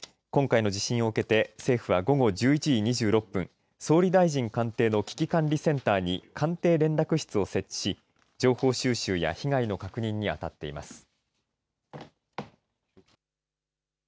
今回の地震を受けて政府は午後１１時２６分総理大臣官邸の危機管理センターに官邸連絡室を設置し情報収集や被害の確認にあたっています。